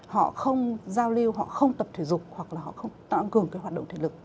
họ không giao lưu họ không tập thể dục hoặc là họ không tạo ảnh hưởng cái hoạt động thể lực